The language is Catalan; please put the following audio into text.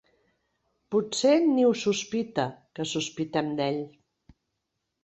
Potser ni ho sospita, que sospitem d'ell.